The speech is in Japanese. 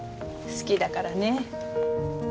好きだからねぇ。